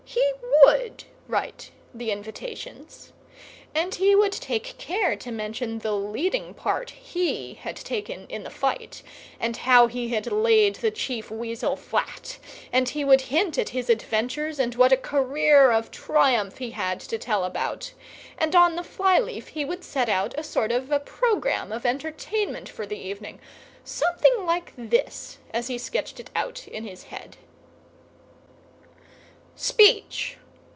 He would write the invitations; and he would take care to mention the leading part he had taken in the fight, and how he had laid the Chief Weasel flat; and he would hint at his adventures, and what a career of triumph he had to tell about; and on the fly leaf he would set out a sort of a programme of entertainment for the evening—something like this, as he sketched it out in his head:— SPEECH.